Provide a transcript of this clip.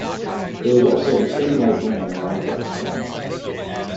There was also a thin white ring around the red sun.